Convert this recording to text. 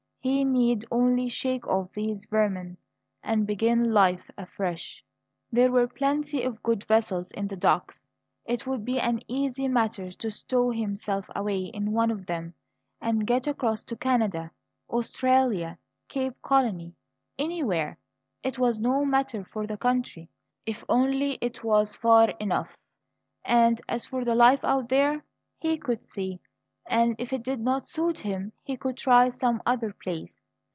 He need only shake off these vermin and begin life afresh. There were plenty of goods vessels in the docks; it would be an easy matter to stow himself away in one of them, and get across to Canada, Australia, Cape Colony anywhere. It was no matter for the country, if only it was far enough; and, as for the life out there, he could see, and if it did not suit him he could try some other place.